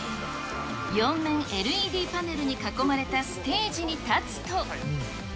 ４面ＬＥＤパネルに囲まれたステージに立つと。